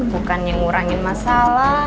bukan yang ngurangin masalah